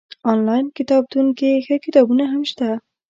انلاين کتابتون کي ښه کتابونه هم شته